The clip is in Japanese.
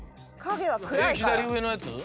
左上のやつ？